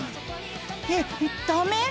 えっダメ？